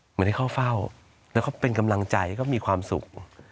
เหมือนได้เข้าเฝ้าแล้วก็เป็นกำลังใจเขามีความสุข